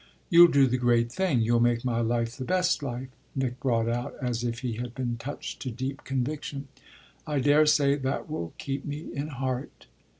"You'll do the great thing, you'll make my life the best life," Nick brought out as if he had been touched to deep conviction. "I daresay that will keep me in heart."